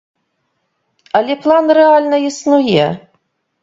Але план рэальна існуе.